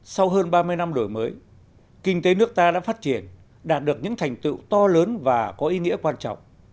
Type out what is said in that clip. sau hơn ba mươi năm đổi mới kinh tế nước ta đã phát triển đạt được những thành tựu to lớn và có ý nghĩa quan trọng